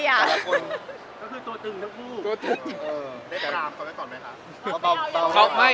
เขาคือตัวตึงทุกผู้